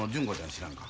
知らんか？